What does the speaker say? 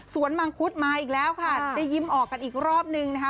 มังคุดมาอีกแล้วค่ะได้ยิ้มออกกันอีกรอบนึงนะคะ